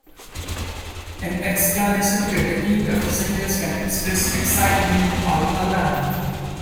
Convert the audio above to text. An exclamation at the end of a sentence can express excitement or alarm.